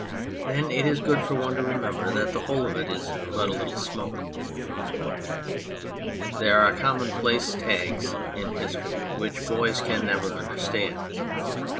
Then it is good for one to remember that the whole of it is but a little smoke. There are commonplace tags in history which boys can never understand.